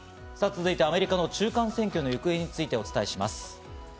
続いてアメリカの中間選挙の行方についてお伝えします。